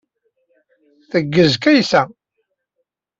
Teggez Kaysa.